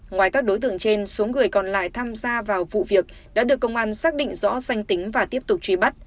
ngoài các đối tượng trên số người còn lại tham gia vào vụ việc đã được công an xác định rõ danh tính và tiếp tục truy bắt